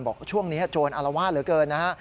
บอกว่าช่วงนี้โจรอละวาดเหลือเกินนะฮะ